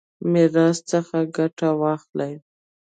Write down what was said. میراث څخه ګټه واخلي.